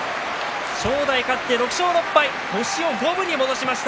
正代勝って６勝６敗と星を五分に戻しました。